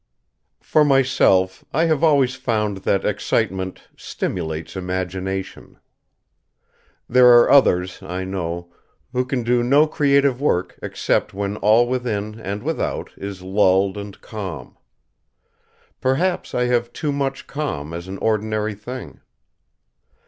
For myself, I have always found that excitement stimulates imagination. There are others, I know, who can do no creative work except when all within and without is lulled and calm. Perhaps I have too much calm as an ordinary thing!